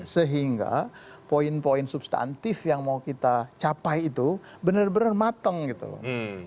sehingga poin poin substantif yang mau kita capai itu benar benar mateng gitu loh